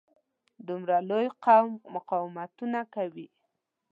دومره لوی قوم مقاومتونه کوي.